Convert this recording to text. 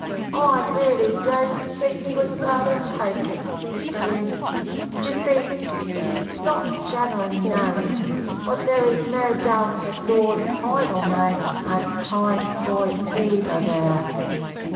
"I really don't think you had better take it, Mr. Lynn. You see, it is not generally known, but there is no doubt that Lord Idlemay had typhoid fever there."